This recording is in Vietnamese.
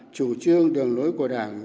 chủ trương đường lối của đảng